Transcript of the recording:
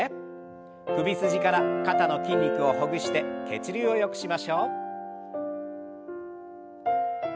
首筋から肩の筋肉をほぐして血流をよくしましょう。